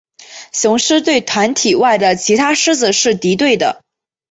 雌狮对团体外的其他狮子是敌对的。